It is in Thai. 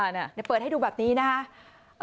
เดี๋ยวเปิดให้ดูแบบนี้นะคะ